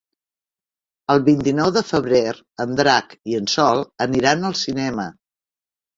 El vint-i-nou de febrer en Drac i en Sol aniran al cinema.